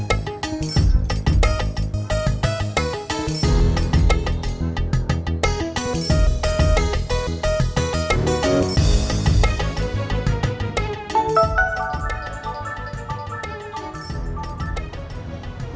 gak usah bayar